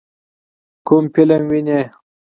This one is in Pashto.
کوم فلم وینئ؟